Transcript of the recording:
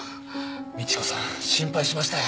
美知子さん心配しましたよ。